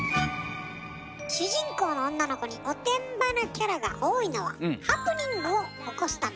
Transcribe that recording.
主人公の女の子におてんばなキャラが多いのはハプニングを起こすため。